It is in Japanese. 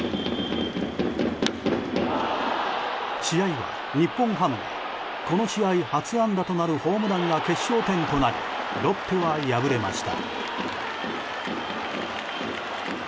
試合は、日本ハムがこの試合初安打となるホームランが決勝点となりロッテは敗れました。